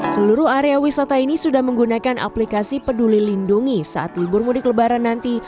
seluruh area wisata ini sudah menggunakan aplikasi peduli lindungi saat libur mudik lebaran nanti